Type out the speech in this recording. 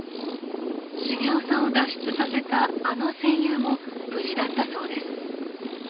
繁雄さんを脱出させたあの戦友も無事だったそうです。